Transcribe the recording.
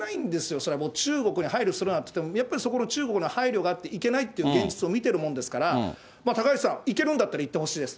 それはもう中国に配慮するなっていっても、やっぱりそこの中国の配慮があって、行けないっていう現実を見てるもんですから、高市さん、行けるんだったら行ってほしいです。